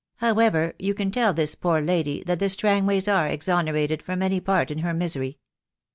However, you can tell this poor lady that the Strangways are exonerated from any part in her misery."